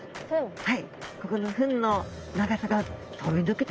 はい。